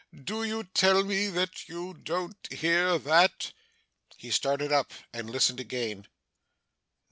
Do you tell me that you don't hear THAT?' He started up, and listened again.